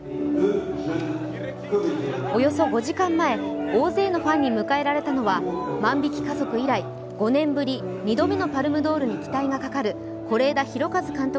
およそ５時間前、大勢のファンに迎えられたのは「万引き家族」以来、５年ぶり２度目のパルムドールに期待がかかる是枝裕和監督